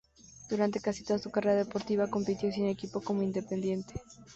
Durante casi toda su carrera deportiva compitió sin equipo como independiente.